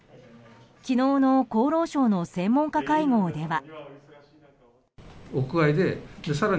昨日の厚労省の専門家会合では。